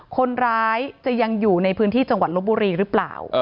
คนร้ายจะยังอยู่ในพื้นที่จังหวัดลบบุรีหรือเปล่า